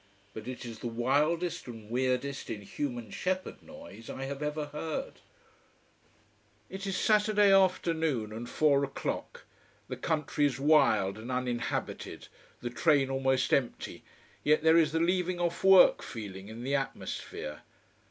But it is the wildest and weirdest inhuman shepherd noise I have ever heard. It is Saturday afternoon and four o'clock. The country is wild and uninhabited, the train almost empty, yet there is the leaving off work feeling in the atmosphere.